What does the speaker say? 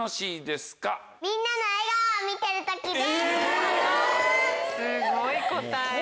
すごい答え。え！